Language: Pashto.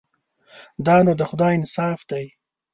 دا نو د خدای انصاف دی.